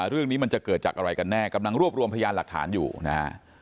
เรื่องนี้มันจะเกิดจากอะไรกันแน่กำลังรวบรวมพยานหลักฐานอยู่นะฮะ